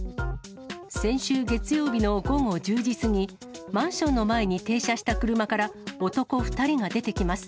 先週月曜日の午後１０時過ぎ、マンションの前に停車した車から男２人が出てきます。